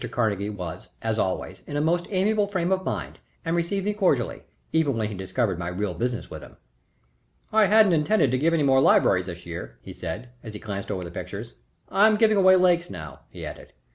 Carnegie was as always in a most amiable frame of mind, and received me cordially, even when he discovered my real business with him. [Illustration: "'IF YOU WANTED A LAKE, MR. HIGGINBOTHAM, I '"] "I hadn't intended to give any more libraries this year," he said, as he glanced over the pictures. "I am giving away lakes now," he added.